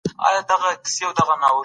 زکات باید غریبانو ته ووېشل سي.